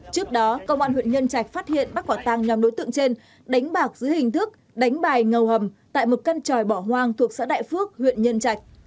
trước đó công an huyện nhân trạch phát hiện bắt quả tăng nhóm đối tượng trên đánh bạc dưới hình thức đánh bài ngầu hầm tại một căn tròi bỏ hoang thuộc xã đại phước huyện nhân trạch